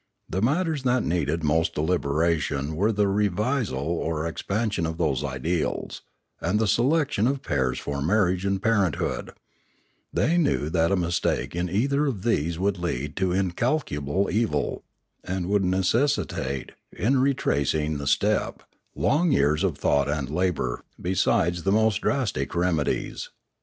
The matters that needed most deliberation were the revisal or ex pansion of those ideals, and the selection of pairs for marriage and parenthood; they knew that a mistake in either of these would lead to incalculable evil, and would necessitate, in retracing the step, long years of thought and labour besides the most drastic remedies.